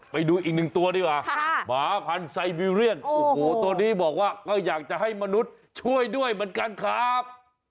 ไปดูอีกหนึ่งตัวดีกว่าหมาพันธุ์ไซบีเรียนโอ้โหตัวนี้บอกว่าก็อยากจะให้มนุษย์ช่วยด้วยเหมือนกันครับ